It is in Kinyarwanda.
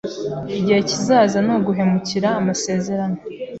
Igihe kizaza ni uguhemukira amasezerano.